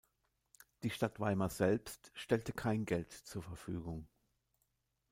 Die Stadt Weimar selbst stellte kein Geld zur Verfügung.